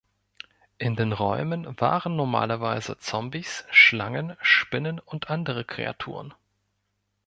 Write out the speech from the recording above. In den Räumen waren normalerweise Zombies, Schlangen, Spinnen und andere Kreaturen.